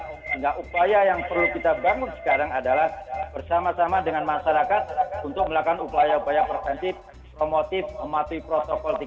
sehingga upaya yang perlu kita bangun sekarang adalah bersama sama dengan masyarakat untuk melakukan upaya upaya preventif promotif mematuhi protokol kesehatan